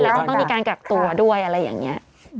แล้วจะต้องมีการกักตัวด้วยอะไรอย่างนี้